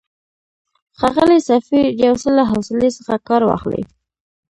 ښاغلی سفیر، یو څه له حوصلې څخه کار واخلئ.